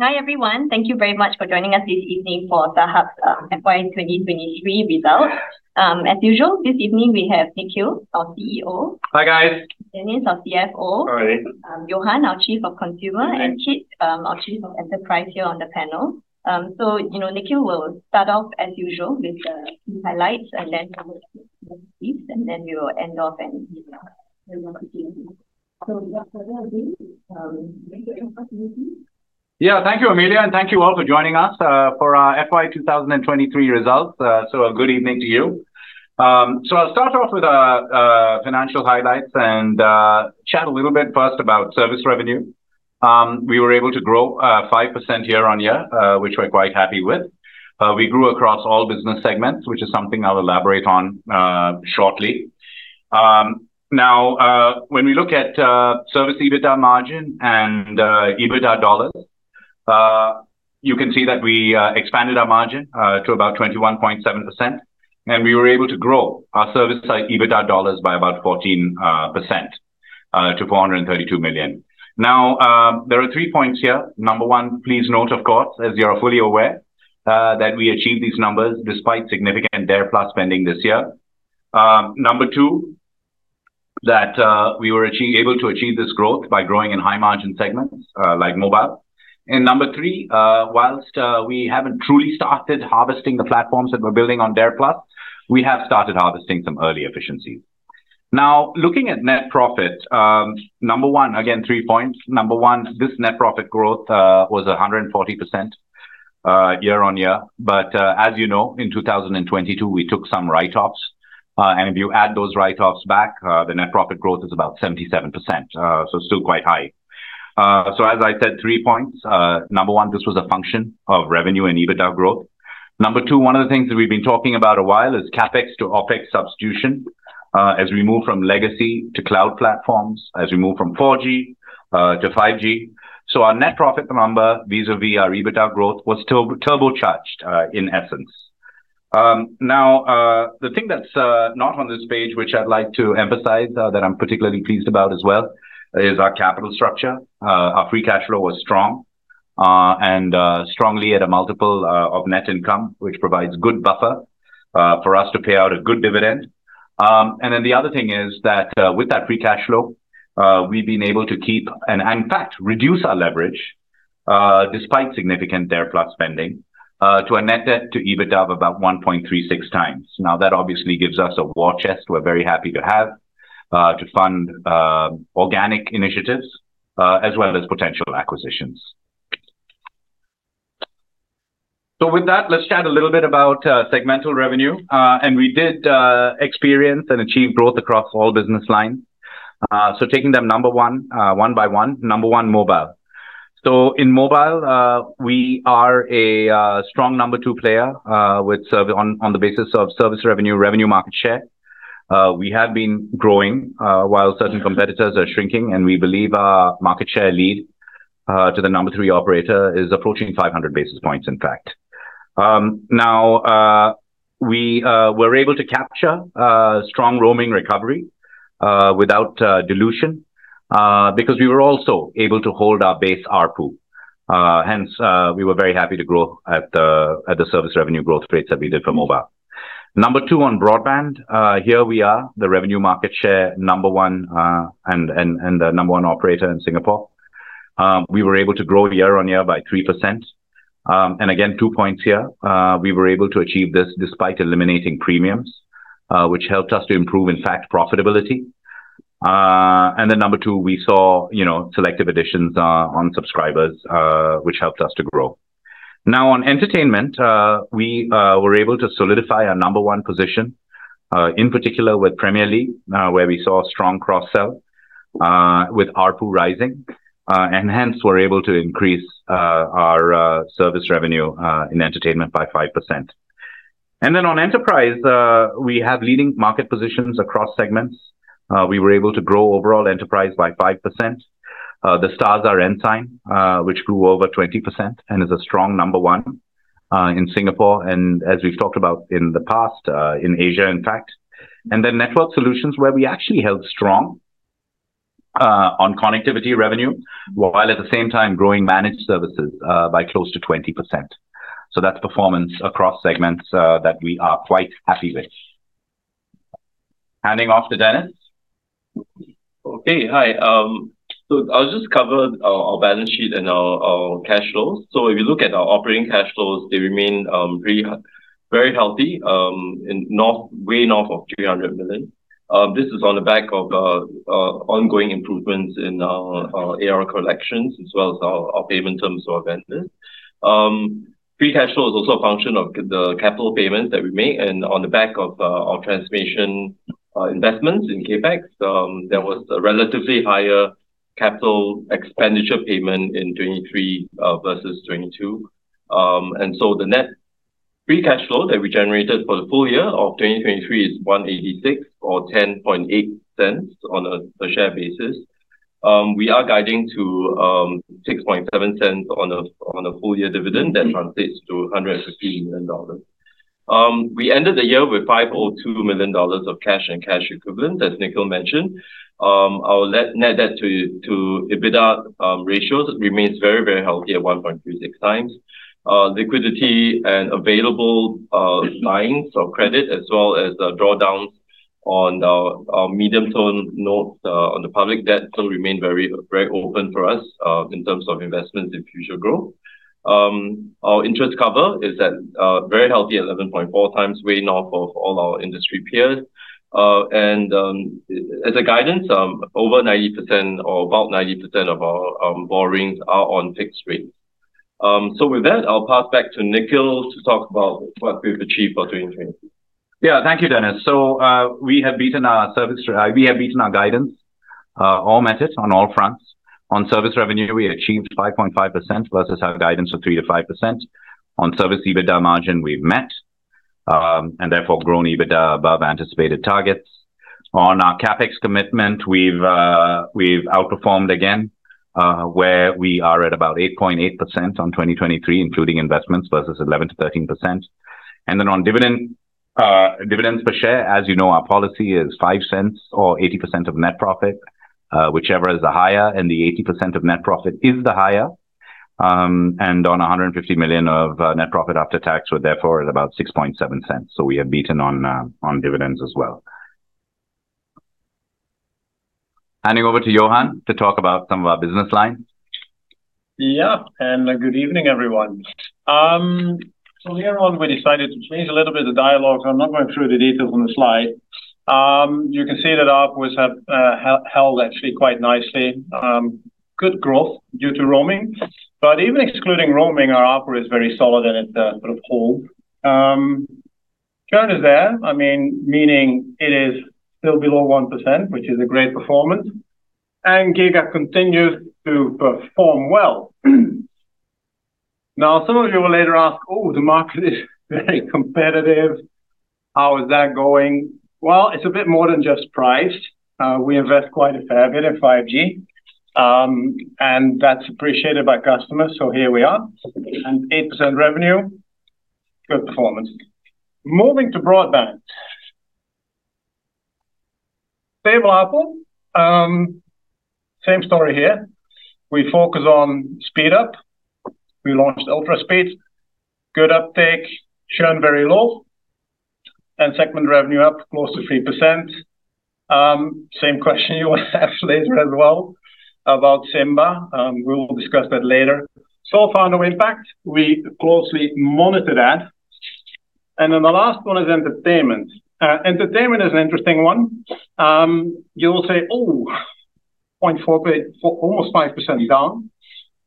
Hi, everyone. Thank you very much for joining us this evening for StarHub's FY 2023 results. As usual, this evening we have Nikhil, our CEO. Hi, guys. Dennis, our CFO. Hi. Johan, our Chief of Consumer. Hi. Kit, our Chief of Enterprise here on the panel. You know, Nikhil will start off as usual with the highlights, and then he will leave, and then we will end off. Thank you, Amelia, and thank you all for joining us for our FY 2023 results so a good evening to you. I'll start off with financial highlights and chat a little bit first about service revenue. We were able to grow 5% year-on-year, which we're quite happy with. We grew across all business segments, which is something I'll elaborate on shortly. Now, when we look at service EBITDA margin and EBITDA dollars, you can see that we expanded our margin to about 21.7%, and we were able to grow our service EBITDA dollars by about 14% to 432 million. Now, there are three points here. Number one, please note, of course, as you are fully aware, that we achieved these numbers despite significant DARE+ spending this year. Number two, that we were able to achieve this growth by growing in high-margin segments, like mobile. Number three, whilst we haven't truly started harvesting the platforms that we're building on DARE+, we have started harvesting some early efficiency. Now, looking at net profit, number one. Again, three points. Number one, this net profit growth was 140% year-on-year. As you know, in 2022 we took some write-offs, and if you add those write-offs back, the net profit growth is about 77%, so still quite high. As I said, three points, number one, this was a function of revenue and EBITDA growth. Number two, one of the things that we've been talking about a while is CapEx to OpEx substitution, as we move from legacy to cloud platforms, as we move from 4G to 5G. Our net profit number vis-à-vis our EBITDA growth was turbocharged in essence. Now, the thing that's not on this page, which I'd like to emphasize, that I'm particularly pleased about as well, is our capital structure. Our free cash flow was strong. Strongly at a multiple of net income, which provides good buffer for us to pay out a good dividend. The other thing is that, with that free cash flow, we've been able to keep and, in fact, reduce our leverage, despite significant DARE+ spending, to a net debt to EBITDA of about 1.36x. That obviously gives us a war chest we're very happy to have, to fund organic initiatives, as well as potential acquisitions. Let's chat a little bit about segmental revenue. We did experience and achieve growth across all business lines. Taking them, number one, one by one. Number one, mobile, in mobile, we are a strong number two player on the basis of service revenue market share. We have been growing while certain competitors are shrinking, and we believe our market share lead to the number three operator is approaching 500 basis points, in fact. Now, we were able to capture strong roaming recovery without dilution because we were also able to hold our base ARPU. Hence, we were very happy to grow at the service revenue growth rates that we did for mobile. Number two, on broadband, here we are the revenue market share number one, and the number one operator in Singapore. We were able to grow year-on-year by 3%. And again, two points here, we were able to achieve this despite eliminating premiums, which helped us to improve, in fact, profitability. Number two, we saw, you know, selective additions on subscribers, which helped us to grow. Now, on entertainment, we were able to solidify our number one position, in particular with Premier League, where we saw strong cross-sell with ARPU rising. we're able to increase our service revenue in entertainment by 5%. On enterprise, we have leading market positions across segments. We were able to grow overall enterprise by 5%. The stars are Ensign, which grew over 20% and is a strong number one in Singapore and, as we've talked about in the past, in Asia, in fact. Network solutions, where we actually held strong on connectivity revenue, while at the same time growing managed services by close to 20%. That's performance across segments that we are quite happy with. Handing off to Dennis. Okay. Hi. I'll just cover our balance sheet and our cash flows. If you look at our operating cash flows, they remain very healthy, and north, way north of 300 million. This is on the back of ongoing improvements in our AR collections as well as our payment terms to our vendors. Free cash flow is also a function of the capital payments that we make, and on the back of our transformation investments in CapEx. There was a relatively higher capital expenditure payment in 2023 versus 2022. The net free cash flow that we generated for the full-year of 2023 is 186 or 10.8 on a per share basis. We are guiding to 0.067 on a full-year dividend that translates to 115 million dollars. We ended the year with 5.02 million dollars of cash and cash equivalents, as Nikhil mentioned. Our net debt to EBITDA ratios remains very healthy at 1.36x. Liquidity and available lines of credit as well as the drawdowns on our Medium-Term notes on the public debt still remain very open for us in terms of investments in future growth. Our interest cover is at very healthy 11.4x, way north of all our industry peers. As a guidance, over 90% or about 90% of our borrowings are on fixed rates. With that, I'll pass back to Nikhil to talk about what we've achieved for 2023. Yeah. Thank you, Dennis. We have beaten our guidance, all metrics on all fronts. On service revenue, we achieved 5.5% versus our guidance of 3% to 5%. On service EBITDA margin, we have met and therefore grown EBITDA above anticipated targets. On our CapEx commitment, we've outperformed again, where we are at about 8.8% on 2023, including investments versus 11% to 13%. On dividend, dividends per share, as you know, our policy is 0.05 or 80% of net profit, whichever is the higher, and the 80% of net profit is the higher, and on 150 million of net profit after tax were therefore at about 6.7. We have beaten on dividends as well. Handing over to Johan to talk about some of our business lines. Yep, and Good evening, everyone. Later on we decided to change a little bit of the dialogue. I'm not going through the details on the slide. You can see that ARPU have held actually quite nicely. Good growth due to roaming. Even excluding roaming, our ARPU is very solid and it sort of hold. Churn is there, I mean, meaning it is still below 1%, which is a great performance. Giga! continues to perform well. Some of you will later ask, "Oh, the market is very competitive. How is that going?" It's a bit more than just price. We invest quite a fair bit in 5G and that's appreciated by customers, so here we are, and 8% revenue, good performance. Moving to broadband, stable ARPU, same story here. We focus on speed up. We launched ultra speed, good uptake, churn very low, and segment revenue up close to 3%. Same question you will ask later as well about SIMBA, we will discuss that later, so far, no impact. We closely monitor that. The last one is entertainment. Entertainment is an interesting one. You'll say, "Oh, 0.4 Almost 5% down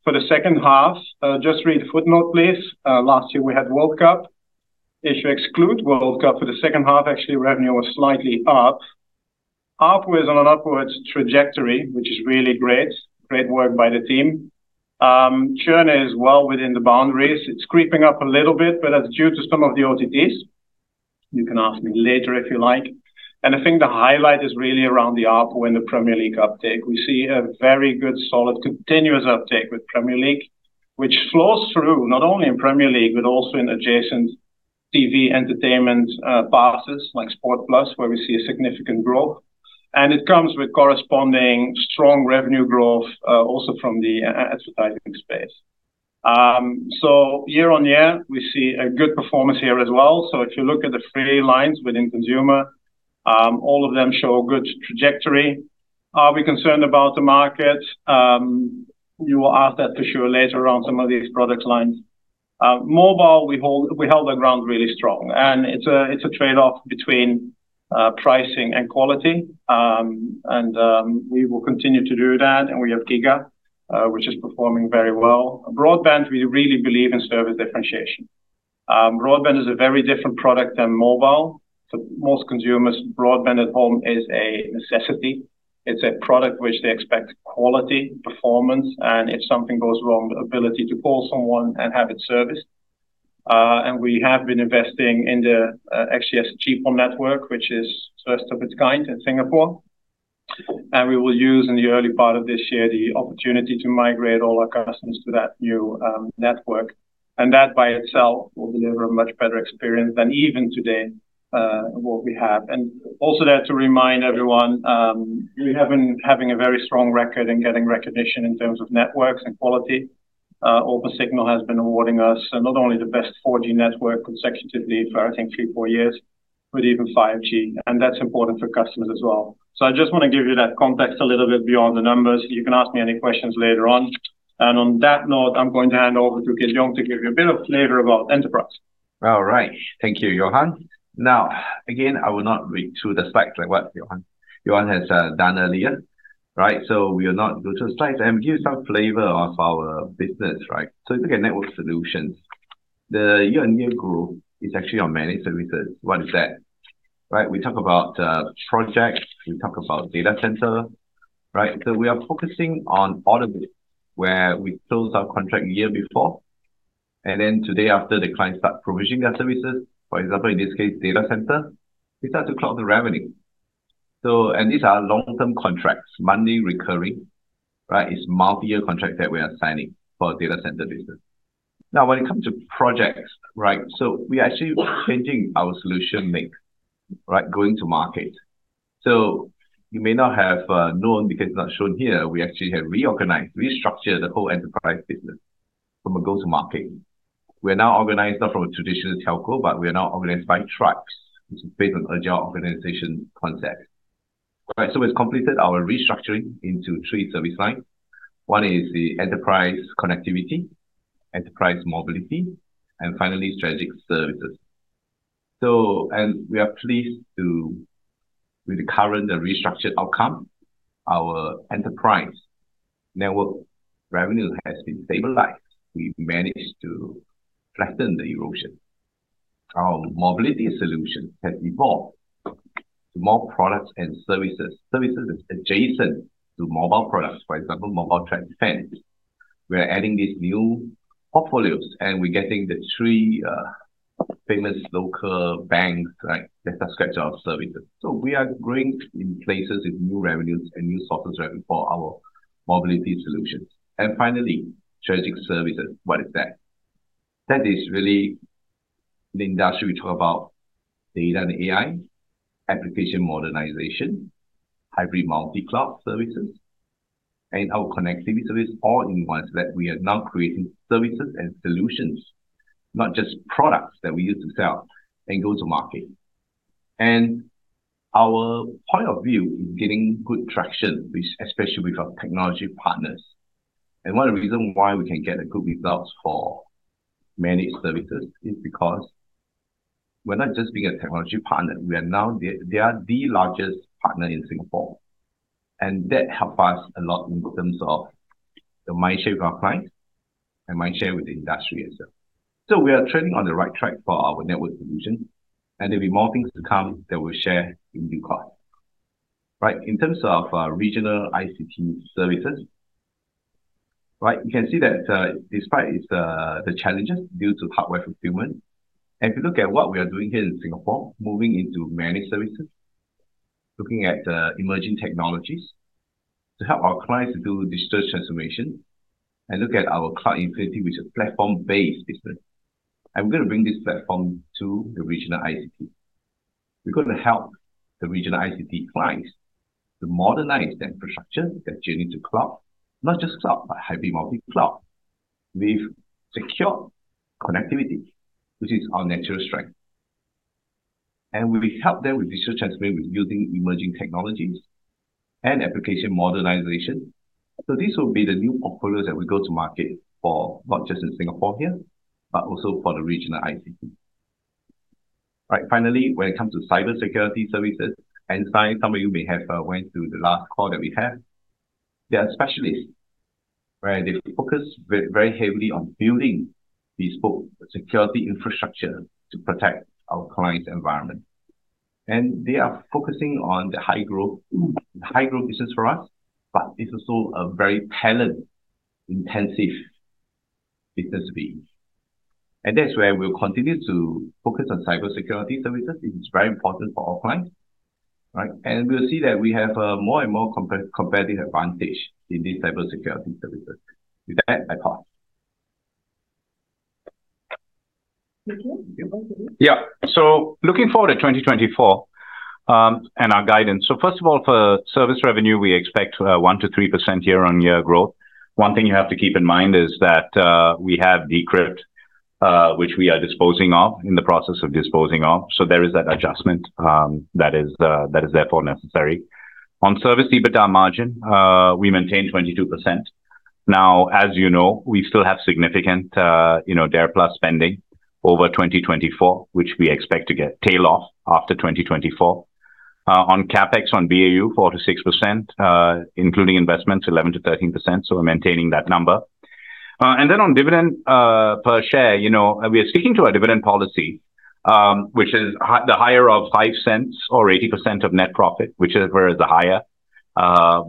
for the second half." Just read the footnote, please. Last year we had World Cup. If you exclude World Cup for the second half, actually revenue was slightly up. ARPU is on an upwards trajectory, which is really great. Great work by the team. Churn is well within the boundaries. It's creeping up a little bit, but that's due to some of the OTTs. You can ask me later if you like. I think the highlight is really around the ARPU and the Premier League uptake. We see a very good solid continuous uptake with Premier League, which flows through not only in Premier League, but also in adjacent TV entertainment passes like Sports+, where we see a significant growth. It comes with corresponding strong revenue growth also from the advertising space. Year-on-year, we see a good performance here as well. If you look at the three lines within consumer, all of them show good trajectory. Are we concerned about the market? You will ask that for sure later on some of these product lines. Mobile, we held our ground really strong, and it's a trade-off between pricing and quality. We will continue to do that. We have giga!, which is performing very well. Broadband, we really believe in service differentiation. Broadband is a very different product than mobile. For most consumers, broadband at home is a necessity. It's a product which they expect quality, performance, and if something goes wrong, the ability to call someone and have it serviced. We have been investing in the XGS-PON network, which is first of its kind in Singapore. We will use, in the early part of this year, the opportunity to migrate all our customers to that new network. That by itself will deliver a much better experience than even today, and what we have. Also there to remind everyone, we have been having a very strong record in getting recognition in terms of networks and quality. Opensignal has been awarding us not only the best 4G network consecutively for, I think, three, four years, but even 5G, and that's important for customers as well. I just want to give you that context a little bit beyond the numbers. You can ask me any questions later on. On that note, I'm going to hand over to Kit Yong to give you a bit of flavor about enterprise. All right. Thank you, Johan. Again, I will not read through the slides like what Johan has done earlier, right? We will not go through the slides and give you some flavor of our business, right? If you look at network solutions, the year-on-year growth is actually on managed services. What is that? Right. We talk about projects, we talk about data center, right? We are focusing on all of it, where we close our contract year before, and then today, after the client start provisioning their services, for example, in this case, data center, we start to clock the revenue. These are long-term contracts, monthly recurring, right? It's multi-year contract that we are signing for data center business. When it comes to projects, right, we are actually changing our solution mix, right, going to market. You may not have known because it's not shown here, we actually have reorganized, restructured the whole enterprise business from a go-to-market. We are now organized not from a traditional telco, but we are now organized by tracks, which is based on agile organization concept. Right. We've completed our restructuring into three service lines. One is the Enterprise Connectivity, Enterprise Mobility, and finally, Strategic Services. We are pleased to, with the current restructured outcome, our enterprise network revenue has been stabilized. We managed to flatten the erosion. Our mobility solution has evolved to more products and services adjacent to mobile products, for example, Mobile Threat Defense. We are adding these new portfolios, and we're getting the three famous local banks, right, that have subscribed to our services. We are growing in places with new revenues and new software revenue for our mobility solutions. Finally, strategic services. What is that? That is really the industry we talk about data and AI, application modernization, hybrid multi-cloud services, and our connectivity service all in one so that we are now creating services and solutions, not just products that we use to sell and go to market. Our point of view in getting good traction with, especially with our technology partners, and one of the reason why we can get a good results for managed services is because we're not just being a technology partner. They are the largest partner in Singapore, and that help us a lot in terms of the mind share with our clients, and mind share with the industry itself. We are trending on the right track for our network solution, and there'll be more things to come that we'll share in due course. Right. In terms of regional ICT services, right, you can see that despite the challenges due to hardware fulfillment, and if you look at what we are doing here in Singapore, moving into managed services, looking at emerging technologies to help our clients to do digital transformation and look at our Cloud Infinity with a platform-based business. We're going to bring this platform to the regional ICT. We're going to help the regional ICT clients to modernize their infrastructure, their journey to cloud, not just cloud, but hybrid multi-cloud with secure connectivity, which is our natural strength. We will help them with digital transformation with using emerging technologies and application modernization. This will be the new portfolios that we go to market for, not just in Singapore here, but also for the regional ICT. Right. Finally, when it comes to cybersecurity services, Ensign, some of you may have went through the last call that we have. They are specialists, right? They focus very, very heavily on building bespoke security infrastructure to protect our clients' environment, and they are focusing on the high growth business for us, but it's also a very talent-intensive business to be in. That's where we'll continue to focus on cybersecurity services. It is very important for our clients, right? We'll see that we have more and more competitive advantage in these cybersecurity services. With that, I pause. Nikhil, you want to do it? Yeah. Looking forward at 2024 and our guidance. First of all, for service revenue, we expect 1% to 3% year-on-year growth. One thing you have to keep in mind is that we have D'Crypt, which we are disposing of, in the process of disposing of. There is that adjustment that is therefore necessary. On service EBITDA margin, we maintain 22%. Now, as you know, we still have significant, you know, DARE+ spending over 2024, which we expect to get tail off after 2024. On CapEx, on BAU, 4% to 6%, including investments, 11% to 13%. We're maintaining that number. On dividend, per share, you know, we are sticking to our dividend policy, which is the higher of 0.05 or 80% of net profit, whichever is the higher.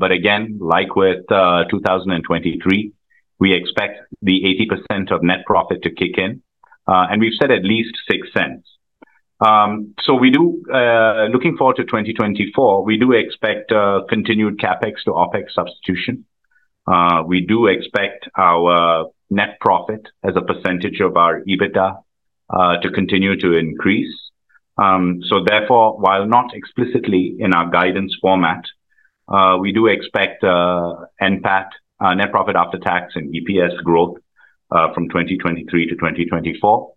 Again, like with 2023, we expect the 80% of net profit to kick in. We've said at least 0.06. We do, looking forward to 2024, we do expect continued CapEx to OpEx substitution. We do expect our net profit as a percentage of our EBITDA to continue to increase. Therefore, while not explicitly in our guidance format, we do expect NPAT, net profit after tax and EPS growth from 2023 to 2024.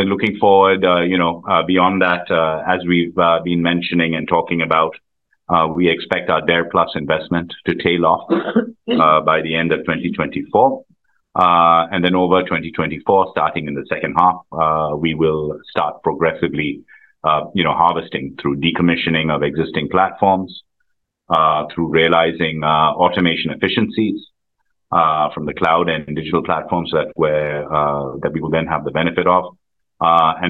Looking forward, you know, beyond that, as we've been mentioning and talking about, we expect our DARE+ investment to tail off by the end of 2024. Over 2024, starting in the second half, we will start progressively, you know, harvesting through decommissioning of existing platforms, through realizing automation efficiencies, from the cloud and digital platforms that we will then have the benefit of.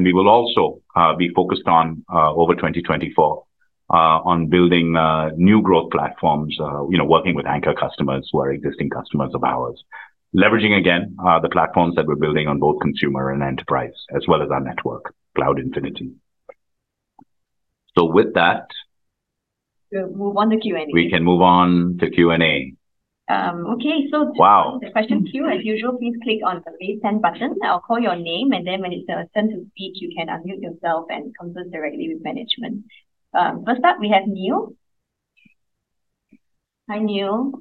We will also be focused on over 2024 on building new growth platforms, you know, working with anchor customers who are existing customers of ours, leveraging again the platforms that we're building on both consumer and enterprise, as well as our network, Cloud Infinity so with that. We'll move on to Q&A. We can move on to Q&A. Okay. Wow. The question queue, as usual, please click on the Raise Hand button. I'll call your name and then when it's sent to speech you can unmute yourself and converse directly with management. First up we have Neil. Hi, Neil.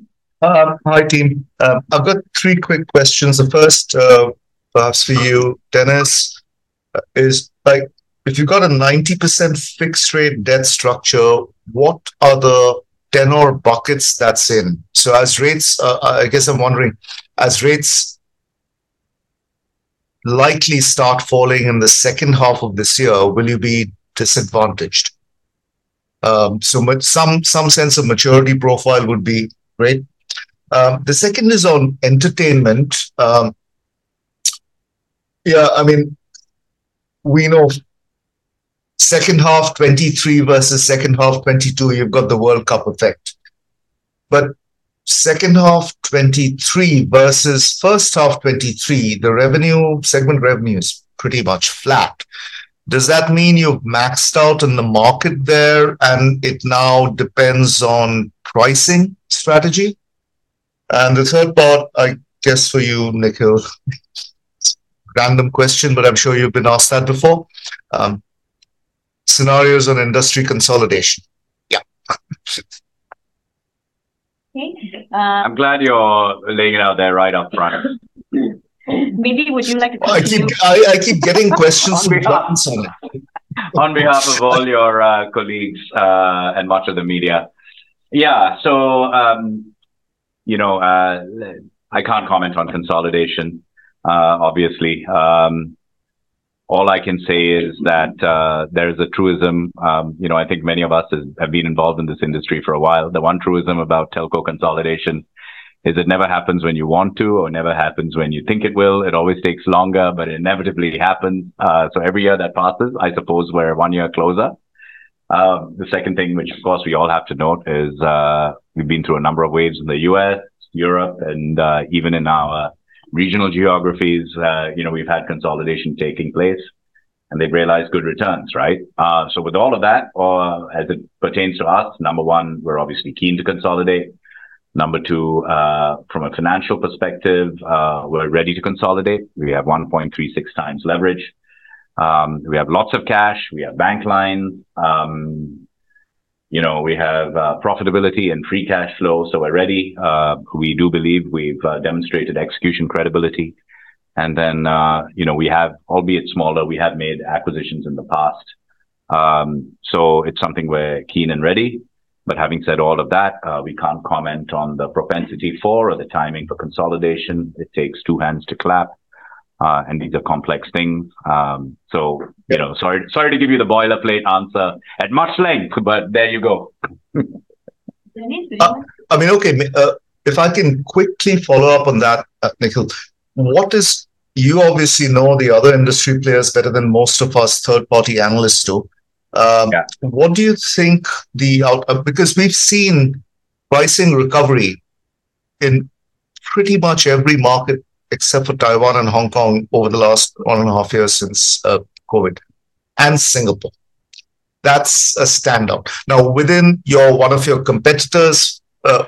Hi team. I've got three quick questions. The first, perhaps for you, Dennis, is, like, if you've got a 90% fixed rate debt structure, what are the tenor buckets that's in? As rates, I guess I'm wondering, as rates likely start falling in the second half of this year, will you be disadvantaged? Some sense of maturity profile would be great. The second is on entertainment. Yeah, I mean, we know second half 2023 versus second half 2022 you've got the World Cup effect, but second half 2023 versus first half 2023, the revenue, segment revenue is pretty much flat. Does that mean you've maxed out in the market there and it now depends on pricing strategy? The third part, for you, Nikhil, a random question, but I'm sure you've been asked that before scenarios on industry consolidation. Yeah. Okay. I'm glad you're laying it out there right up front. Maybe would you like to. Oh, I keep getting questions from clients on it. On behalf of all your colleagues and much of the media. Yeah. You know, I can't comment on consolidation, obviously. All I can say is that there's a truism, you know, I think many of us have been involved in this industry for a while. The one truism about telco consolidation is it never happens when you want to or never happens when you think it will. It always takes longer, but it inevitably happens. Every year that passes, I suppose we're one year closer. The second thing, which of course we all have to note, is we've been through a number of waves in the U.S., Europe and even in our regional geographies, you know, we've had consolidation taking place, and they've realized good returns, right? With all of that, or as it pertains to us, number one, we're obviously keen to consolidate. Number two, from a financial perspective, we're ready to consolidate. We have 1.36x leverage. We have lots of cash. We have bank line. You know, we have profitability and free cash flow, so we're ready. We do believe we've demonstrated execution credibility. You know, we have, albeit smaller, we have made acquisitions in the past. It's something we're keen and ready. Having said all of that, we can't comment on the propensity for or the timing for consolidation. It takes two hands to clap and these are complex things. You know, sorry to give you the boilerplate answer at much length, but there you go. Dennis, go ahead. I mean, okay, if I can quickly follow up on that, Nikhil, you obviously know the other industry players better than most of us third-party analysts do. Yeah. What do you think the out- Because we've seen pricing recovery in pretty much every market except for Taiwan and Hong Kong over the last one and a half years since COVID and Singapore. That's a standout. Within one of your competitors',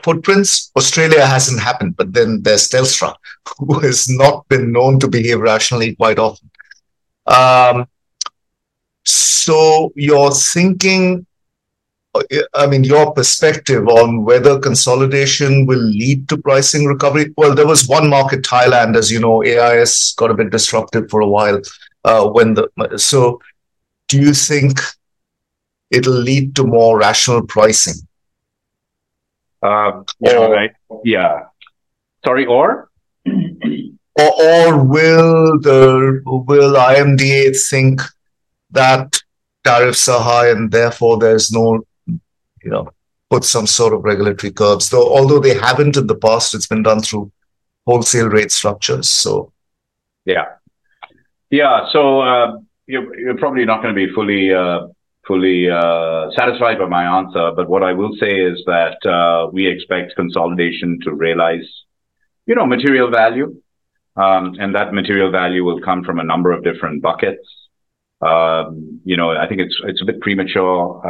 footprints, Australia hasn't happened, but then there's Telstra, who has not been known to behave rationally quite often. You're thinking, I mean, your perspective on whether consolidation will lead to pricing recovery. Well, there was one market, Thailand, as you know, AIS got a bit disrupted for a while. Do you think it'll lead to more rational pricing? Yeah. Sorry, or? Will IMDA think that tariffs are high and therefore there's no, you know, put some sort of regulatory curbs, although they haven't in the past, it's been done through wholesale rate structures, so. Yeah. You're probably not going to be fully satisfied by my answer. What I will say is that we expect consolidation to realize, you know, material value. That material value will come from a number of different buckets. You know, I think it's a bit premature,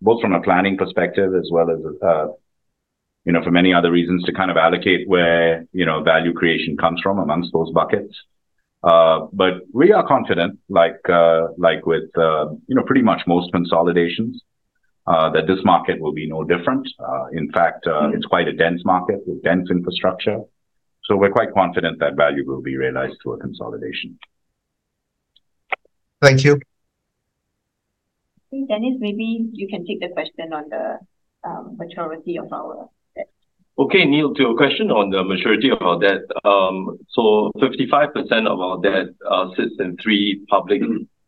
both from a planning perspective as well as, you know, for many other reasons to kind of allocate where, you know, value creation comes from amongst those buckets. We are confident, like with, you know, pretty much most consolidations, that this market will be no different. In fact, it's quite a dense market with dense infrastructure. We're quite confident that value will be realized through a consolidation. Thank you. I think, Dennis, maybe you can take the question on the maturity of our debt. Okay. Neil, to your question on the maturity of our debt, 55% of our debt sits in three public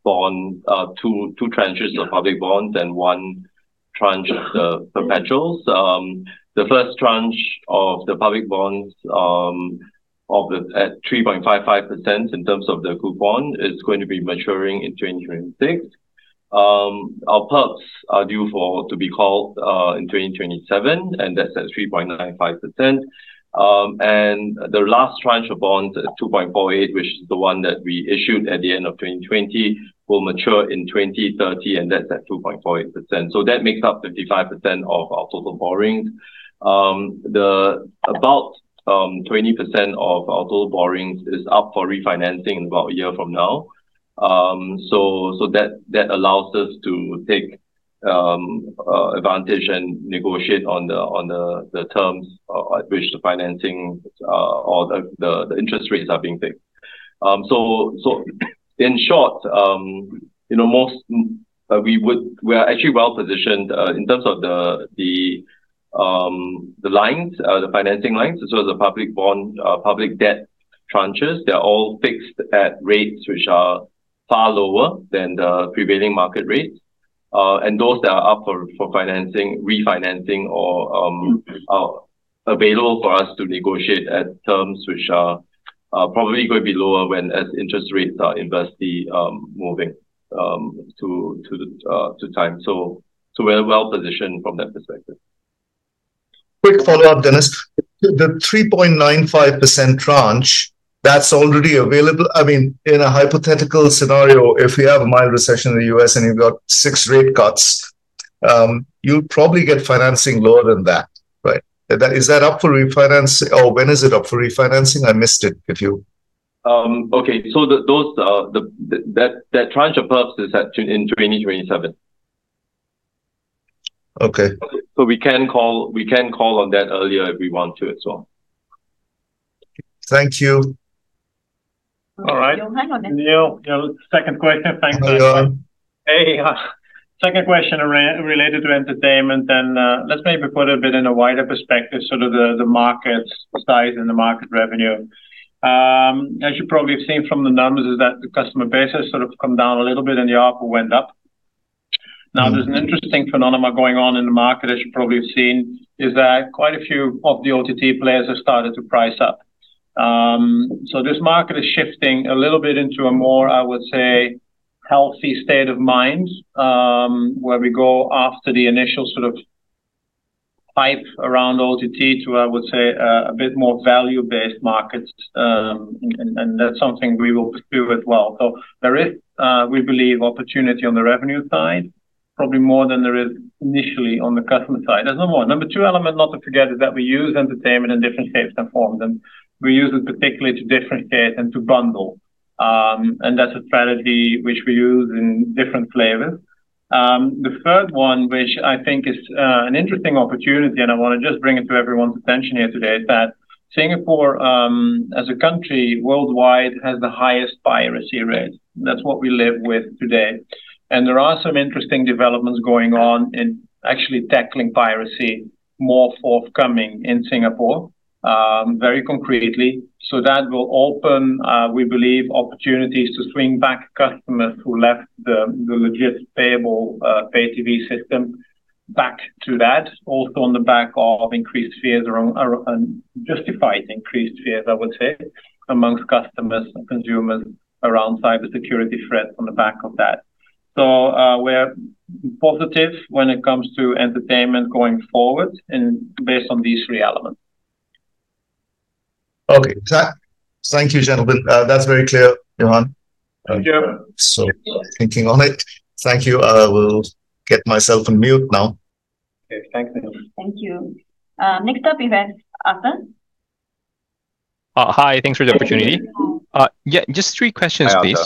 bond, two tranches of public bonds and one tranche of perpetuals. The first tranche of the public bonds, at 3.55% in terms of the coupon is going to be maturing in 2026. Our perps are due for, to be called, in 2027, and that's at 3.95%. The last tranche of bonds at 2.48, which is the one that we issued at the end of 2020, will mature in 2030, and that's at 2.48%. That makes up 55% of our total borrowings. About 20% of our total borrowings is up for refinancing about a year from now. That allows us to take advantage and negotiate on the terms at which the financing, or the interest rates are being paid. In short, you know, most, we would. We are actually well-positioned, in terms of the lines, the financing lines as well as the public bond, public debt tranches. They're all fixed at rates which are far lower than the prevailing market rate. Those that are up for financing, refinancing or available for us to negotiate at terms which are probably going to be lower when as interest rates are inversely moving to time. We're well-positioned from that perspective. Quick follow-up, Dennis. The 3.95% tranche that's already available. I mean, in a hypothetical scenario, if we have a mild recession in the U.S. and you've got 6 rate cuts, you'll probably get financing lower than that, right? Is that up for refinance or when is it up for refinancing? I missed it. Okay. That tranche of perps is in 2027. Okay. We can call on that earlier if we want to as well. Thank you. All right. Johan. Neil, second question. Thanks. This is Johan. Hey, Johan. Hey. Second question related to entertainment, let's maybe put a bit in a wider perspective, sort of the market size and the market revenue. As you probably have seen from the numbers is that the customer base has sort of come down a little bit and the ARPU went up. There's an interesting phenomenon going on in the market, as you probably have seen, is that quite a few of the OTT players have started to price up. This market is shifting a little bit into a more, I would say, healthy state of mind, where we go after the initial sort of hype around OTT to, I would say, a bit more value-based market, and that's something we will pursue as well. There is, we believe, opportunity on the revenue side, probably more than there is initially on the customer side. There's no more. Number two element, not to forget, is that we use entertainment in different shapes and forms, and we use it particularly to differentiate and to bundle. That's a strategy which we use in different flavors. The third one, which I think is an interesting opportunity, and I want to just bring it to everyone's attention here today, is that Singapore, as a country worldwide has the highest piracy rate. That's what we live with today. There are some interesting developments going on in actually tackling piracy more forthcoming in Singapore, very concretely. That will open, we believe, opportunities to swing back customers who left the legit payable, pay TV system back to that, also on the back of increased fears around and justified increased fears, I would say, amongst customers and consumers around cybersecurity threats on the back of that. We're positive when it comes to entertainment going forward and based on these three elements. Okay. Thank you, gentlemen. That's very clear, Johan. Thank you. Thinking on it. Thank you. I will get myself on mute now. Okay. Thanks, Neil. Thank you. next up, event, Arthur. Hi. Thanks for the opportunity. Arthur Ng. Yeah, just three questions, please.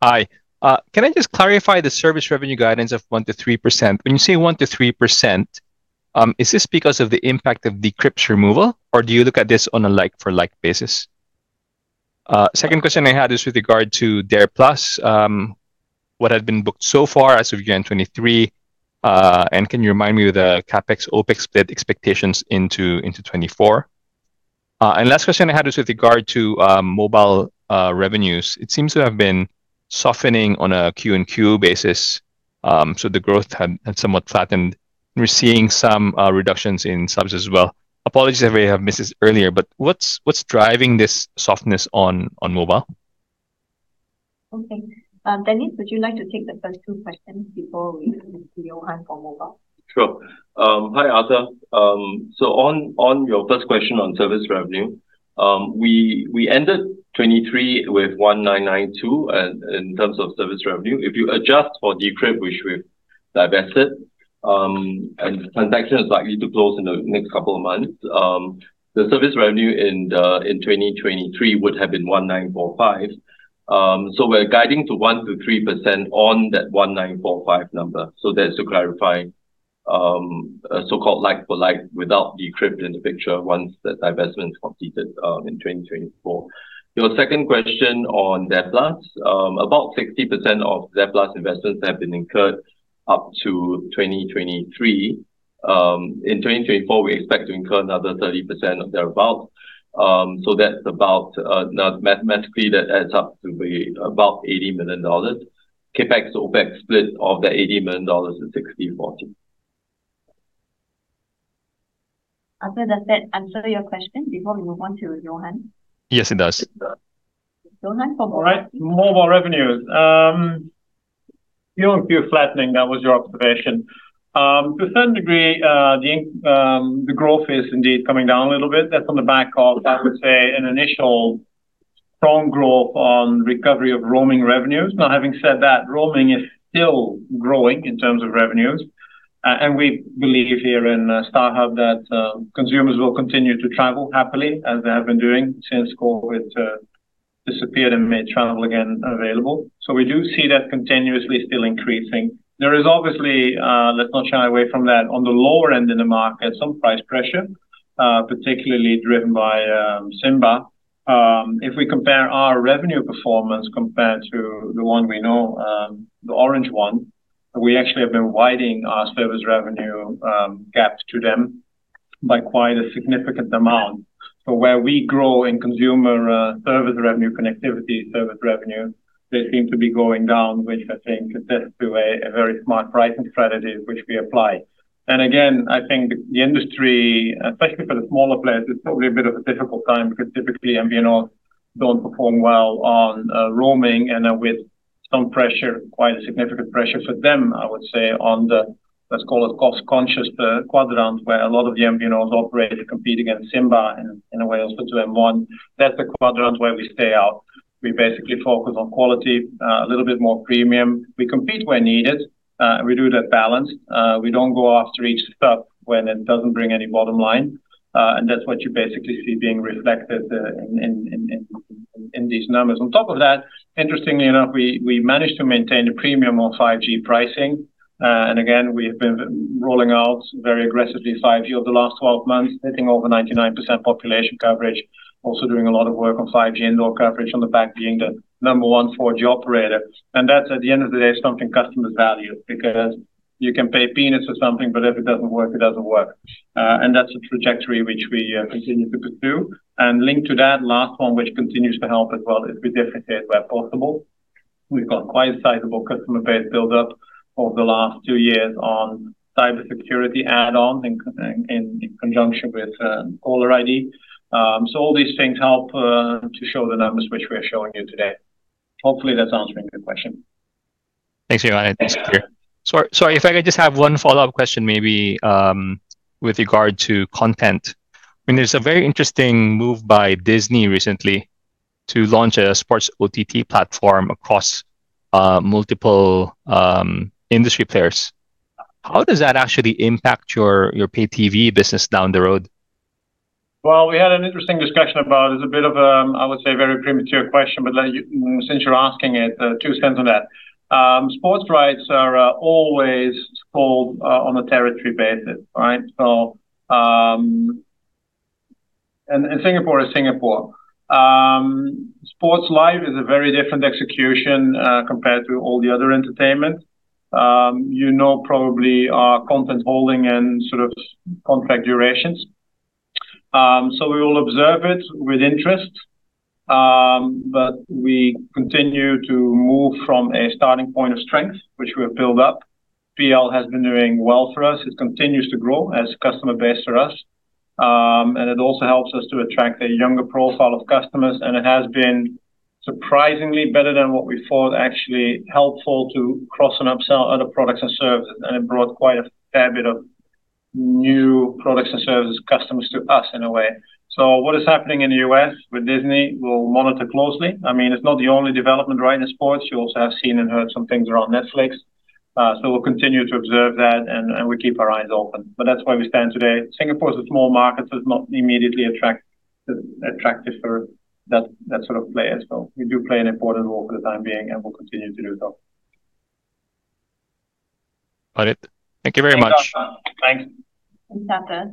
Hi, Arthur. Hi. Can I just clarify the service revenue guidance of 1% to 3%? When you say 1% to 3%, is this because of the impact of D'Crypt's removal, or do you look at this on a like-for-like basis? Second question I had is with regard to DARE+, what had been booked so far as of year-end 2023, and can you remind me of the CapEx, OpEx split expectations into 2024? Last question I had was with regard to mobile revenues. It seems to have been softening on a Q-on-Q basis, so the growth had somewhat flattened. We're seeing some reductions in subs as well. Apologies if I have missed this earlier, but what's driving this softness on mobile? Okay. Dennis, would you like to take the first two questions before we go to Johan for mobile? Sure. Hi, Arthur. On your first question on service revenue, we ended 2023 with 1,992 in terms of service revenue. If you adjust for D'Crypt, which we've divested, and the transaction is likely to close in the next couple of months, the service revenue in 2023 would have been 1,945. We're guiding to 1% to 3% on that 1,945 number. That's to clarify a so-called like for like without D'Crypt in the picture once the divestment is completed in 2024. Your second question on DARE+, about 60% of DARE+ investments have been incurred up to 2023. In 2024, we expect to incur another 30% thereof. That's about, now mathematically that adds up to be about 80 million dollars. CapEx to OpEx split of that SGD 80 million is 60/40. Does that answer your question before we move on to Johan? Yes, it does. Johan, for mobile. All right. Mobile revenues, you know, flattening, that was your observation. To a certain degree, the growth is indeed coming down a little bit. That's on the back of, I would say, an initial strong growth on recovery of roaming revenues. Having said that, roaming is still growing in terms of revenues. We believe here in StarHub that consumers will continue to travel happily as they have been doing since COVID disappeared and made travel again available. We do see that continuously still increasing. There is obviously, let's not shy away from that, on the lower end in the market, some price pressure, particularly driven by Simba. If we compare our revenue performance compared to the one we know, the orange one, so we actually have been widening our service revenue gaps to them by quite a significant amount so where we grow in consumer service revenue, connectivity service revenue, they seem to be going down, which I think attests to a very smart pricing strategy which we apply. Again, I think the industry, especially for the smaller players, it's probably a bit of a difficult time because typically MVNO don't perform well on roaming and with some pressure, quite a significant pressure for them, I would say, on the, let's call it cost-conscious quadrant, where a lot of the MVNOs operate and compete against SIMBA in a way also to M1. That's the quadrant where we stay out. We basically focus on quality, a little bit more premium. We compete where needed. We do that balance. We don't go after each sub when it doesn't bring any bottom line. That's what you basically see being reflected in these numbers. On top of that, interestingly enough, we managed to maintain a premium on 5G pricing. Again, we have been rolling out very aggressively 5G over the last 12 months, hitting over 99% population coverage. Also doing a lot of work on 5G indoor coverage on the back of being the number one 4G operator. That's at the end of the day something customers value. Because you can pay peanuts or something, but if it doesn't work, it doesn't work. That's a trajectory which we continue to pursue. Linked to that last one, which continues to help as well, is we differentiate where possible. We've got quite a sizable customer base build up over the last two years on cybersecurity add-on in conjunction with Caller ID. All these things help to show the numbers which we are showing you today. Hopefully that's answering your question. Thanks, Johan. Yeah. It's clear. Sorry, if I could just have one follow-up question maybe, with regard to content. I mean, there's a very interesting move by Disney recently to launch a sports OTT platform across multiple industry players. How does that actually impact your pay TV business down the road? Well, we had an interesting discussion about it. It's a bit of a, I would say, very premature question. Since you're asking it, two cents on that. Sports rights are always sold on a territory basis, right? Singapore is Singapore. Sports live is a very different execution compared to all the other entertainment. You know probably our content holding and sort of contract durations. We will observe it with interest. We continue to move from a starting point of strength, which we have built up. PL has been doing well for us. It continues to grow as a customer base for us. It also helps us to attract a younger profile of customers, and it has been surprisingly better than what we thought, actually helpful to cross and upsell other products and services. It brought quite a fair bit of new products and services, customers to us in a way. What is happening in the U.S. with Disney, we'll monitor closely. I mean, it's not the only development, right, in sports. You also have seen and heard some things around Netflix. We'll continue to observe that and we keep our eyes open. That's where we stand today. Singapore is a small market, so it's not immediately attractive for that sort of player. We do play an important role for the time being and we'll continue to do so. Got it. Thank you very much. Thanks, Arthur. Thanks, Arthur.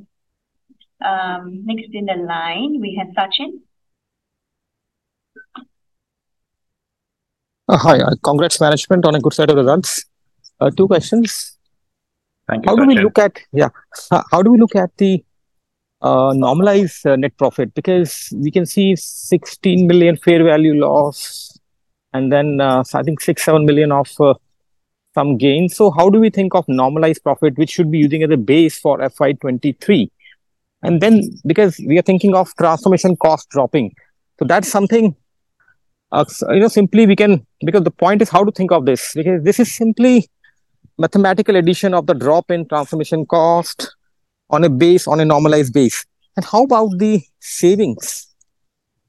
Next in the line we have Sachin. Hi. Congrats management on a good set of results. Two questions. Thank you, Sachin. How do we look at the normalized net profit? Because we can see 16 million fair value loss and then I think 6 million, 7 million of some gains. How do we think of normalized profit, which should be using as a base for FY 2023? Because we are thinking of transformation cost dropping. That's something, you know, simply because the point is how to think of this. Because this is simply mathematical addition of the drop in transformation cost on a base, on a normalized base. How about the savings?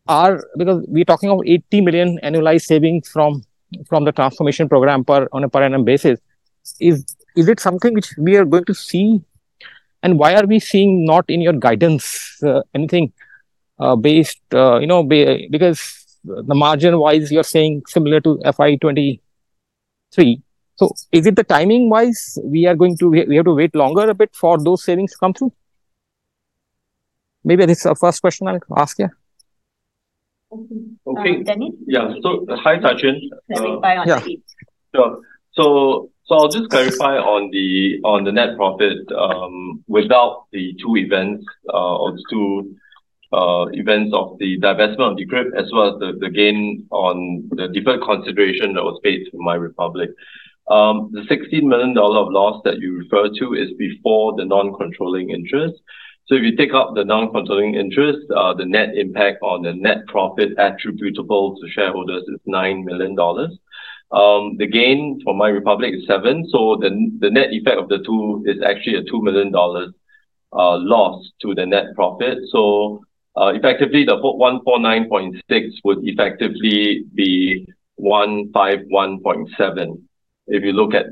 Because we're talking about 80 million annualized savings from the transformation program on a per annum basis. Is it something which we are going to see? Why are we seeing not in your guidance anything based, you know, because the margin-wise you are saying similar to FY 2023. Is it the timing-wise we have to wait longer a bit for those savings to come through? Maybe that is a first question I'll ask you. Okay. Okay. Dennis? Yeah. Hi, Sachin. Dennis, you're on mute. Yeah. Sure. I'll just clarify on the net profit without the two events or the two events of the divestment of D'Crypt, as well as the gain on the deferred consideration that was paid to MyRepublic. The 60 million dollar of loss that you refer to is before the non-controlling interest. If you take up the non-controlling interest, the net impact on the net profit attributable to shareholders is 9 million dollars. The gain for MyRepublic is 7 million, the net effect of the two is actually a 2 million dollars loss to the net profit. Effectively the 149.6 million would effectively be 151.7 million. If you look at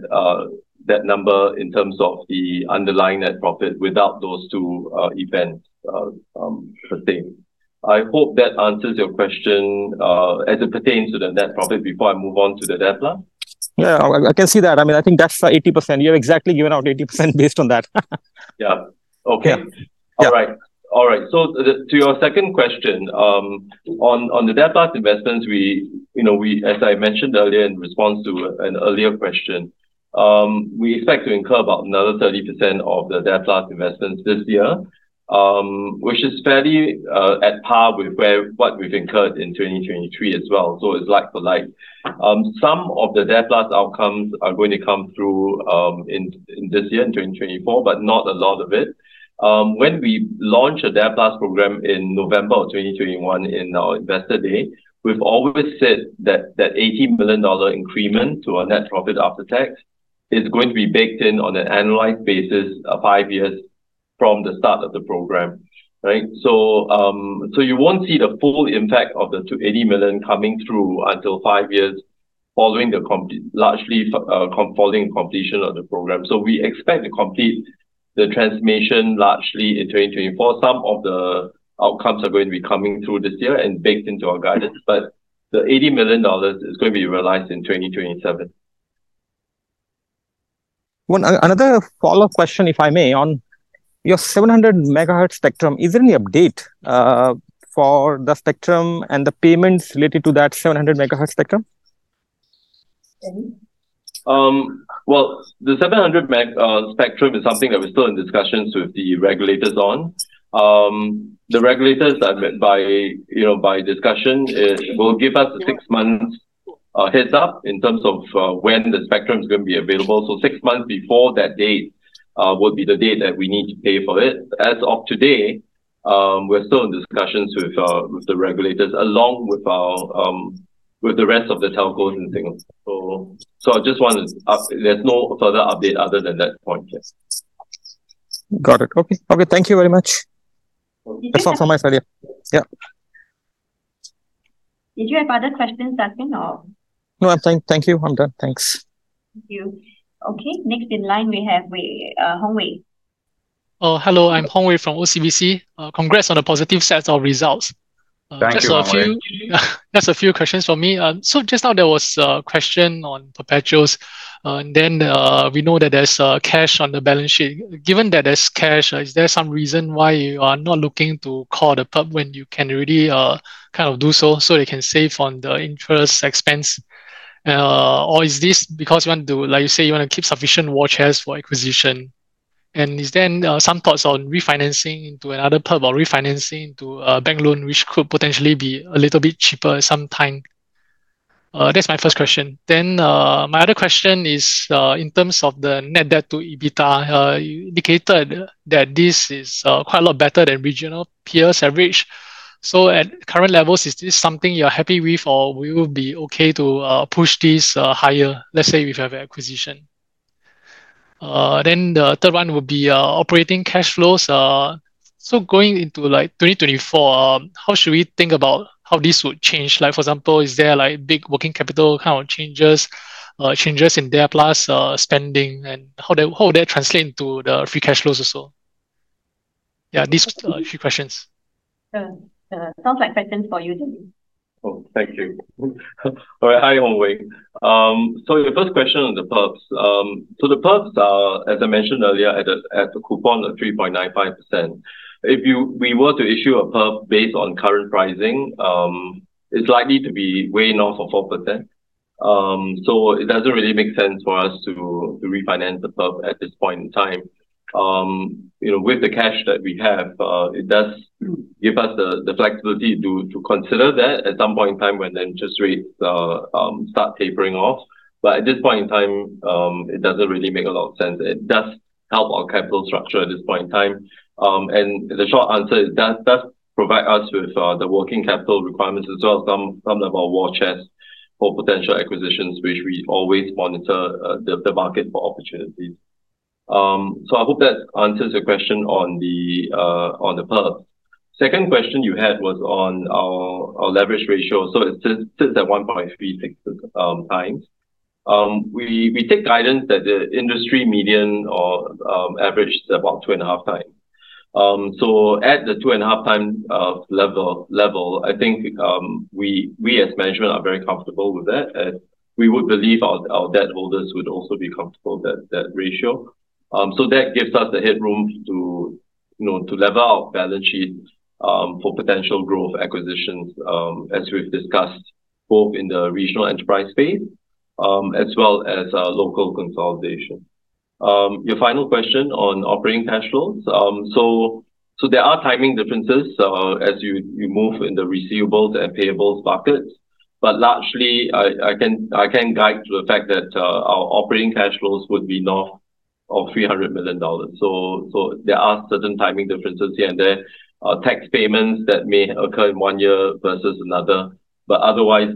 that number in terms of the underlying net profit without those two events per se. I hope that answers your question, as it pertains to the net profit before I move on to the debt plan. Yeah. I can see that. I mean, I think that's 80%. You've exactly given out 80% based on that. Yeah. Okay. Yeah, right. All right. To your second question, on the DARE+ investments, you know, as I mentioned earlier in response to an earlier question, we expect to incur about another 30% of the DARE+ investments this year, which is fairly at par with what we've incurred in 2023 as well. It's like for like. Some of the DARE+ outcomes are going to come through in this year, in 2024, but not a lot of it. When we launched a DARE+ program in November of 2021 in our Investor Day, we've always said that that 80 million dollar increment to our net profit after tax is going to be baked in on an annualized basis of five years from the start of the program, right? You won't see the full impact of the 80 million coming through until five years following completion of the program. We expect to complete the transformation largely in 2024. Some of the outcomes are going to be coming through this year and baked into our guidance. The 80 million dollars is going to be realized in 2027. Another follow-up question, if I may, on your 700 MHz spectrum. Is there any update for the spectrum and the payments related to that 700 MHz spectrum? Dennis? Well, the 700 MHz spectrum is something that we're still in discussions with the regulators on. The regulators, you know, by discussion, will give us a six-month heads-up in terms of when the spectrum's going to be available so six months before that date will be the date that we need to pay for it. As of today, we're still in discussions with the regulators, along with the rest of the telcos and things. So there's no further update other than that point, yes. Got it. Okay. Okay, thank you very much. Did you have? That's all from my side, yeah. Yeah. Did you have other questions, Sachin or? No, thank you. I'm done. Thanks. Thank you. Okay, next in line we have Wei, Hong Wei. Oh, hello, I'm Hong Wei from OCBC. Congrats on the positive set of results. Thank you, Hong Wei. Just a few questions from me. So just now there was a question on perpetuals, and then we know that there's cash on the balance sheet. Given that there's cash, is there some reason why you are not looking to call the perp when you can really kind of do so you can save on the interest expense or is this because you want to do, like you say, you want to keep sufficient war chest for acquisition? Is then some thoughts on refinancing into another perp or refinancing into a bank loan, which could potentially be a little bit cheaper sometime? That's my first question. My other question is, in terms of the net debt to EBITDA, you indicated that this is quite a lot better than regional peers' average. At current levels, is this something you're happy with or we would be okay to push this higher, let's say if you have acquisition? Then the third one would be operating cash flows. Going into like 2024, how should we think about how this would change? Like, for example, is there like big working capital kind of changes in DARE+ spending and how that, how would that translate into the free cash flows also? Yeah, these are a few questions. Sure. Sounds like questions for you, Dennis. Oh, thank you. All right. Hi, Hong Wei, so your first question on the perps. So the perps are, as I mentioned earlier, at a coupon of 3.95%. If we were to issue a perp based on current pricing, it's likely to be way north of 4%. It doesn't really make sense for us to refinance the perp at this point in time. You know, with the cash that we have, it does give us the flexibility to consider that at some point in time when the interest rates start tapering off. At this point in time, it doesn't really make a lot of sense. It does help our capital structure at this point in time. The short answer is that does provide us with the working capital requirements as well some of our war chest for potential acquisitions, which we always monitor the market for opportunities. I hope that answers your question on the perps. Second question you had was on our leverage ratio. It sits at 1.36x. We take guidance that the industry median or average is about 2.5x. At the 2.5x level, I think we as management are very comfortable with that. We would believe our debt holders would also be comfortable with that ratio. That gives us the headroom to, you know, to lever our balance sheet, for potential growth acquisitions, as we've discussed both in the regional enterprise space, as well as, local consolidation. Your final question on operating cash flows. There are timing differences, as you move in the receivables and payables buckets. Largely, I can guide to the fact that our operating cash flows would be north of SGD 300 million. There are certain timing differences here and there, tax payments that may occur in one year versus another, but otherwise,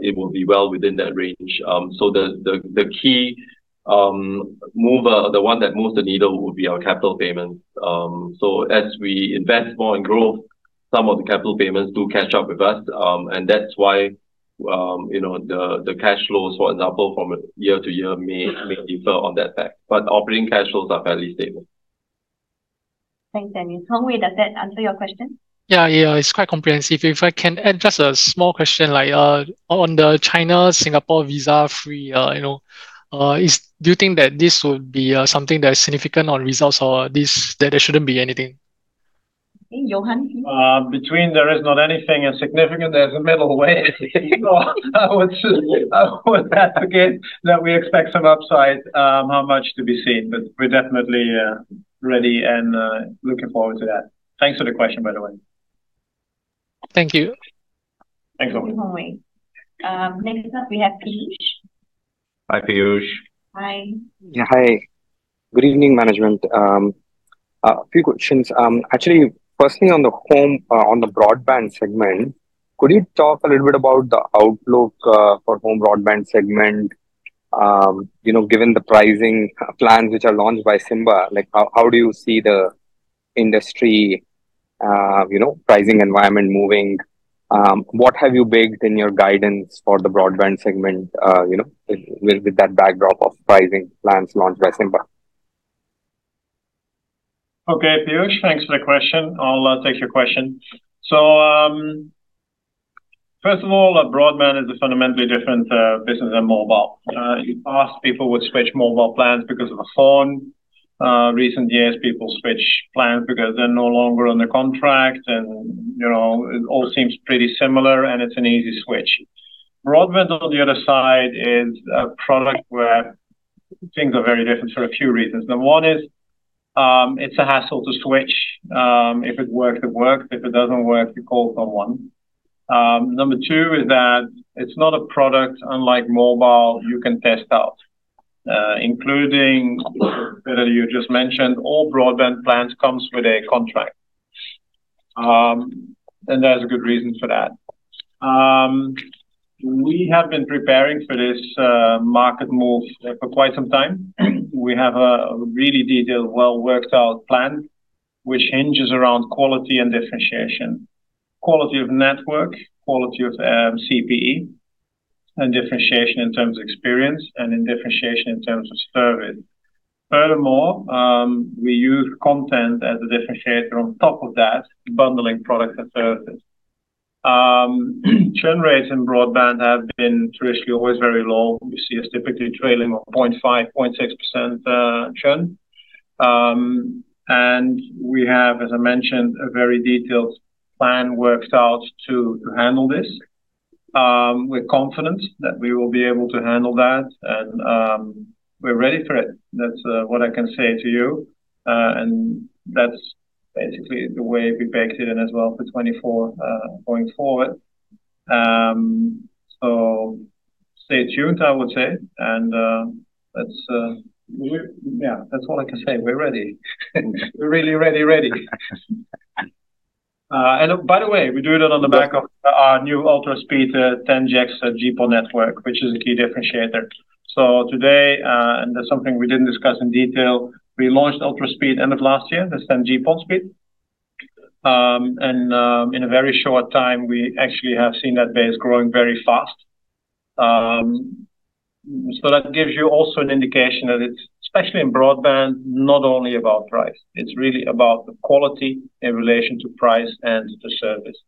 it will be well within that range. The key mover or the one that moves the needle, would be our capital payments. As we invest more in growth, some of the capital payments do catch up with us. That's why, you know, the cash flows, for example, from year-to-year may differ on that fact. Operating cash flows are fairly stable. Thanks, Dennis. Hong Wei, does that answer your question? Yeah, yeah, it's quite comprehensive. If I can add just a small question, like, on the China-Singapore visa-free, you know. Do you think that this would be something that is significant on results or this, that there shouldn't be anything? Okay, Johan. Between there is nothing and significant. There's a middle way. I would advocate that we expect some upside, how much to be seen, but we're definitely ready and looking forward to that. Thanks for the question, by the way. Thank you. Thanks, Hong Wei. Thank you, Hong Wei. Next up we have Piyush. Hi, Piyush. Hi. Yeah, hi. Good evening, management. A few questions. Actually, firstly, on the home, on broadband segment, could you talk a little bit about the outlook for home broadband segment? You know, given the pricing plans which are launched by SIMBA, like, how do you see the industry, you know, pricing environment moving? What have you baked in your guidance for the broadband segment, you know, with that backdrop of pricing plans launched by SIMBA? Okay, Piyush, thanks for the question. I'll take your question. First of all, broadband is a fundamentally different business than mobile. In the past, people would switch mobile plans because of a phone. In recent years, people switch plans because they're no longer on the contract and, you know, it all seems pretty similar, and it's an easy switch. Broadband, on the other side, is a product where things are very different for a few reasons. Number one is, it's a hassle to switch. If it works, it works. If it doesn't work, you call someone. Number two is that it's not a product, unlike mobile, you can test out. Including that you had just mentioned, all broadband plans comes with a contract, and there's a good reason for that. We have been preparing for this market move for quite some time. We have a really detailed, well-worked-out plan which hinges around quality and differentiation, quality of network, quality of CPE and differentiation in terms of experience and in differentiation in terms of service. Furthermore, we use content as a differentiator on top of that, bundling products and services. Churn rates in broadband have been traditionally always very low. We see us typically trailing of 0.5%, 0.6% churn. We have, as I mentioned, a very detailed plan worked out to handle this. We're confident that we will be able to handle that and we're ready for it. That's what I can say to you. That's basically the way we baked it in as well for 2024 going forward. Stay tuned, I would say. That's all I can say. We're ready. We're really ready, ready. By the way, we're doing it on the back of our new UltraSpeed 10G XGS-PON network, which is a key differentiator. Today, that's something we didn't discuss in detail. We launched UltraSpeed end of last year, this 10G XGS-PON speed. In a very short time, we actually have seen that base growing very fast. That gives you also an indication that it's, especially in broadband, not only about price. It's really about the quality in relation to price and the service.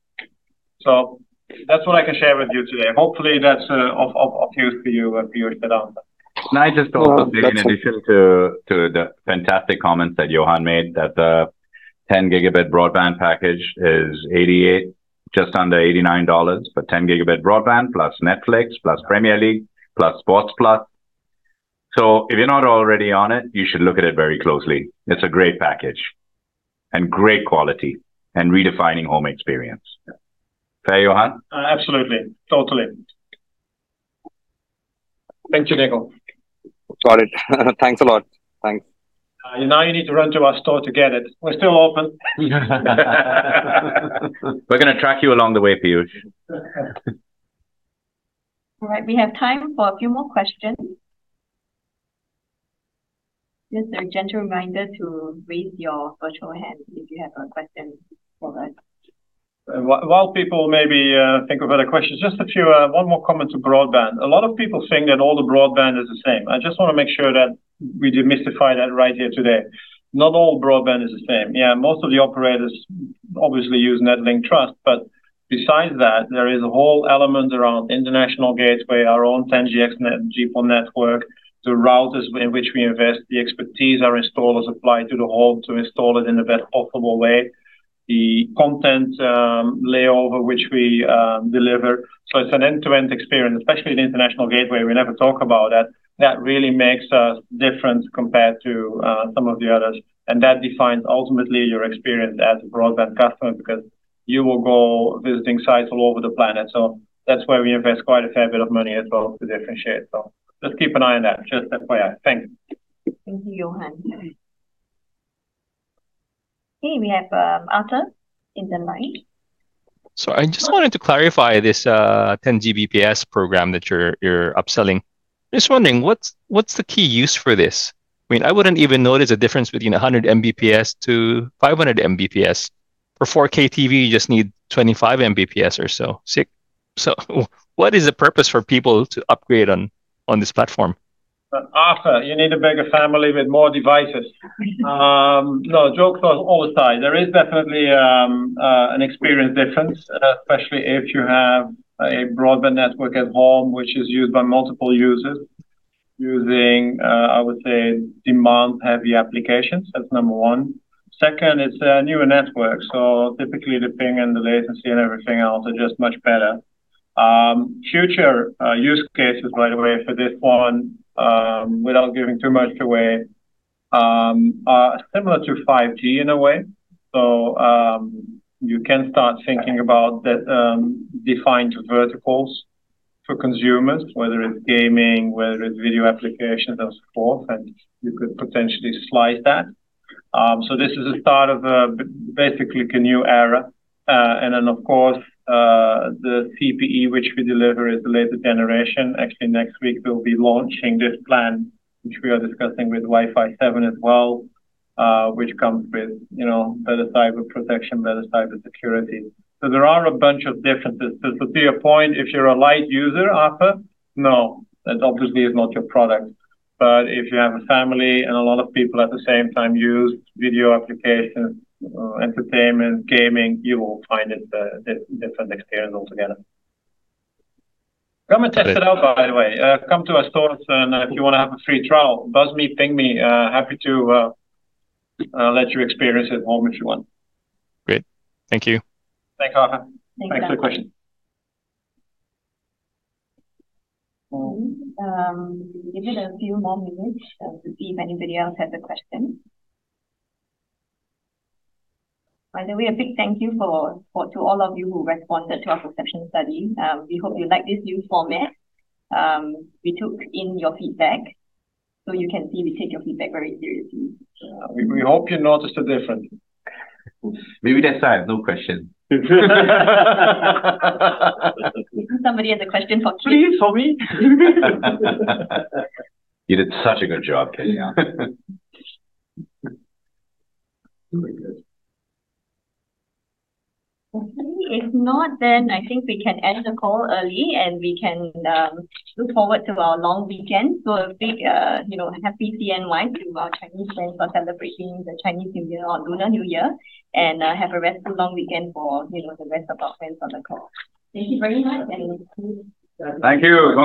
That's what I can share with you today. Hopefully, that's of use for you, Piyush, for now. Yeah, that's it. Can I just also say in addition to the fantastic comments that Johan made, that the 10 Gb broadband package is 88, just under 89 dollars for 10 Gb broadband plus Netflix plus Premier League plus Sports+. If you're not already on it, you should look at it very closely. It's a great package and great quality and redefining home experience. Fair, Johan? Absolutely. Totally. Thank you, Nikhil. Got it. Thanks a lot. Thanks. Now you need to run to our store to get it. We're still open. We're going to track you along the way, Piyush. All right. We have time for a few more questions. Just a gentle reminder to raise your virtual hand if you have a question for us. While people maybe think of other questions, just a few, one more comment to broadband. A lot of people think that all the broadband is the same. I just want to make sure that we demystify that right here today. Not all broadband is the same. Most of the operators obviously use NetLink Trust. Besides that, there is a whole element around international gateway, our own 10G net, GPON network, the routers in which we invest, the expertise our installers apply to the home to install it in the best possible way. The content, layover which we deliver. It's an end-to-end experience, especially the international gateway, we never talk about that. That really makes us different compared to some of the others, and that defines ultimately your experience as a broadband customer because you will go visiting sites all over the planet. That's why we invest quite a fair bit of money as well to differentiate, so just keep an eye on that, just FYI. Thanks. Thank you, Johan. Okay, we have Arthur in the line. I just wanted to clarify this 10Gbps program that you're upselling. Just wondering, what's the key use for this? I mean, I wouldn't even notice a difference between 100 Mbps to 500 Mbps. For 4K TV, you just need 25 Mbps or so. What is the purpose for people to upgrade on this platform? Arthur, you need a bigger family with more devices. No, jokes on all aside, there is definitely an experience difference, especially if you have a broadband network at home, which is used by multiple users using, I would say, demand-heavy applications. That's number one. Second, it's a newer network, typically the ping and the latency and everything else are just much better. Future use cases, by the way, for this one, without giving too much away, are similar to 5G in a way. You can start thinking about the defined verticals for consumers, whether it's gaming, whether it's video applications and so forth, and you could potentially slice that. This is a start of basically like a new era. Then of course, the CPE, which we deliver is the latest generation. Actually, next week, we'll be launching this plan, which we are discussing with Wi-Fi 7 as well, which comes with, you know, better cyber protection, better cyber security. There are a bunch of differences. This would be a point if you're a light user, Arthur. No, that obviously is not your product. If you have a family and a lot of people at the same time use video applications, entertainment, gaming, you will find it a different experience altogether. Come and test it out, by the way. Come to our stores, and if you want to have a free trial, buzz me, ping me. Happy to let you experience at home if you want. Great. Thank you. Thanks, Arthur. Thanks, Arthur. Thanks for the question. Give it a few more minutes to see if anybody else has a question. By the way, a big thank you to all of you who responded to our perception study. We hope you like this new format. We took in your feedback, so you can see we take your feedback very seriously. Yeah. We hope you noticed the difference. Maybe that's why I have no question. Maybe somebody has a question for you, please, for me. You did such a good job, Amelia. Yeah. Very good. Okay. If not, then I think we can end the call early, and we can look forward to our long weekend. A big, you know, happy CNY to our Chinese friends for celebrating the Chinese New Year or Lunar New Year, and have a restful long weekend for, you know, the rest of our friends on the call. Thank you very much, ending the queue. Thank you as well.